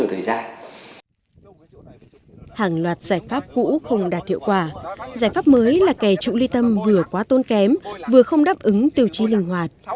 hàng loạt giải pháp cũ không đạt hiệu quả giải pháp mới là kè trụ ly tâm vừa quá tôn kém vừa không đáp ứng tiêu chí linh hoạt